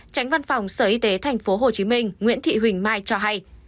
tránh văn phòng sở y tế tp hcm nguyễn thị huỳnh mai cho hay